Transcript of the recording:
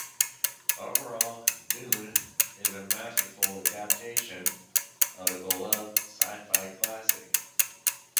Overall, "Dune" is a masterful adaptation of a beloved sci-fi classic.